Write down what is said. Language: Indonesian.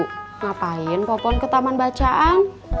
mengapain popon ke taman bacaan